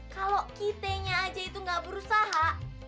kalau kitenya aja itu nggak berusaha